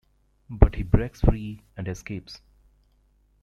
But he breaks free and escapes.